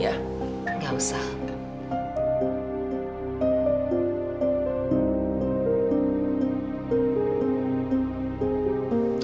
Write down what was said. bisa pakai dekat sama sama banget